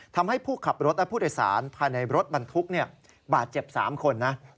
ทำให้ผู้ขับรถและผู้โดยสารภายในรถบรรทุกบาดเจ็บ๓คนนะ